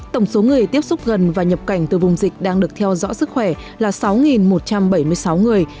tổng số người tiếp xúc gần và nhập cảnh từ vùng dịch đang được theo dõi sức khỏe là sáu một trăm bảy mươi sáu người